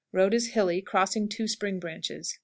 Road is hilly, crossing two spring branches.